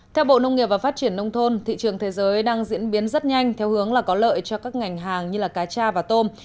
theo bộ nông nghiệp và phát triển nông thôn thị trường thế giới đang diễn biến rất nhanh theo hướng là có lợi cho các ngành hàng như cá cha và tôm